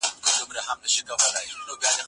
خیال مي ځي تر ماشومتوبه د مُلا تر تاندي لښتي